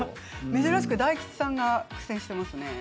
珍しく大吉さんが苦戦していますね。